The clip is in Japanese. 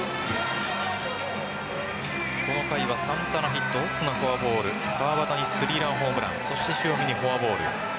この回はサンタナ、ヒットオスナ、フォアボール川端に３ランホームラン塩見にフォアボール。